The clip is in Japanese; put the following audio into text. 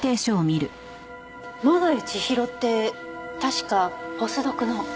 野添千尋って確かポスドクの？